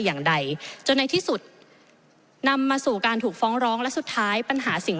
อย่างใดจนในที่สุดนำมาสู่การถูกฟ้องร้องและสุดท้ายปัญหาสิ่ง